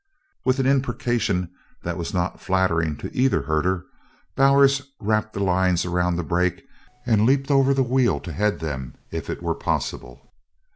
With an imprecation that was not flattering to either herder, Bowers wrapped the lines around the brake and leaped over the wheel to head them if it were possible.